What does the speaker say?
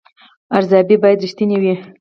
ارزیابي باید رښتینې وي